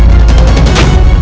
jika pulakku dakuk